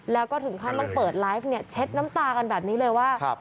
แล้วก็ถึงขั้นต้องเปิดไลฟ์เนี่ยเช็ดน้ำตากันแบบนี้เลยว่า